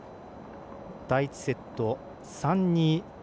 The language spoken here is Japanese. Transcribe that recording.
第１セット、３−２。